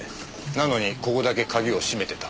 なのにここだけ鍵を閉めてた。